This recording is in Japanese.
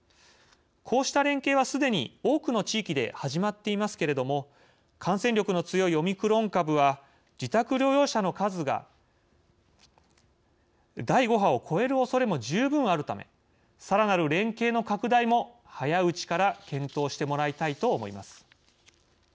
こうした連携はすでに多くの地域で始まっていますけれども感染力の強いオミクロン株は自宅療養者の数が第５波を超えるおそれも十分あるためさらなる連携の拡大も早いうちから検討してもらいたいと思います。